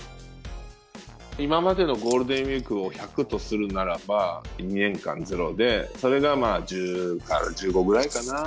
今までのゴールデンウィークを１００とするならば、２年間ゼロで、それがまあ１０から１５ぐらいかな。